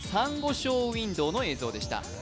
ショーウインドウの映像でした。